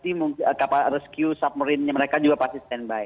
tapi kapal rescue submarine mereka juga pasti standby